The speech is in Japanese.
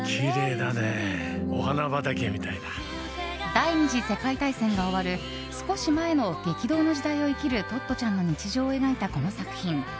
第２次世界大戦が終わる少し前の激動の時代を生きるトットちゃんの日常を描いたこの作品。